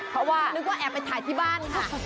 เพราะว่านึกว่าแอบไปถ่ายที่บ้านค่ะ